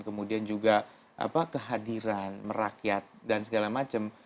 kemudian juga kehadiran merakyat dan segala macam